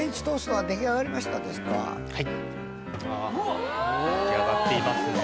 はい出来上がっていますね。